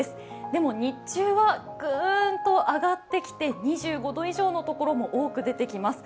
でも日中はぐーんと上がってきて２５度以上の所も多く出てきます。